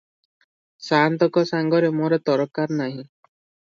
ସାଆନ୍ତଙ୍କ ସାଙ୍ଗରେ ମୋର ତରକାର ନାହିଁ ।